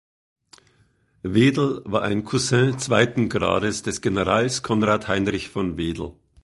Wedel war ein Cousin zweiten Grades des Generals Konrad Heinrich von Wedel.